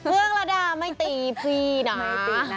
เครื่องระดาไม่ตีพี่นะ